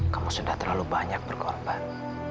kamu sudah terlalu banyak berkorban